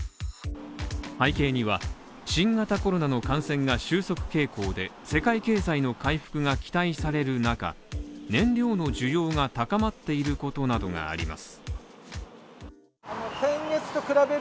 背景には、新型コロナの感染が収束傾向で、世界経済の回復が期待される中、燃料の需要が高まっていることなどがあります。